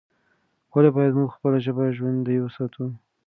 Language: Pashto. ولې باید موږ خپله ژبه ژوندۍ وساتو؟